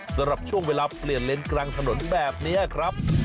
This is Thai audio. สำหรับช่วงเวลาเปลี่ยนเลนส์กลางถนนแบบนี้ครับ